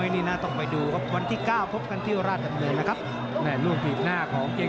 นี่ไงคือแอดทุกคูเลยนะเนี่ย